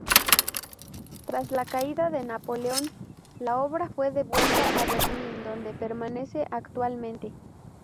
Tras la caída de Napoleón, la obra fue devuelta a Berlín donde permanece actualmente.